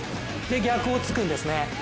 逆をつくんですね。